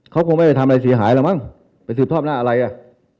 เขาคงไม่ได้ทำอะไรเสียหายแล้วมั้งไปสืบทอดหน้าอะไรอ่ะ